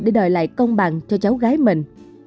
để đòi lại công bằng cho cháu gái mình